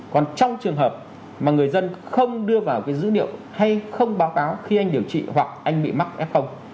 còn trong trường hợp mà người dân không đưa vào cái dữ liệu hay không báo cáo khi anh điều trị hoặc anh bị mắc f